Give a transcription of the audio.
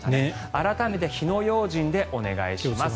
改めて火の用心でお願いします。